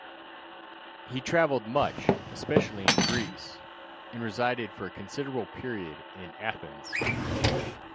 He traveled much, especially in Greece, and resided for a considerable period in Athens.